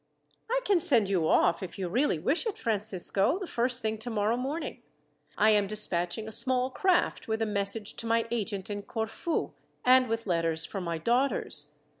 "I can send you off, if you really wish it, Francisco, the first thing tomorrow morning. I am despatching a small craft with a message to my agent in Corfu, and with letters for my daughters.